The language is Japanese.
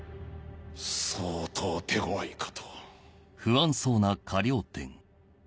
相当手ごわいかと。